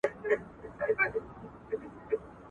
هیلهمنه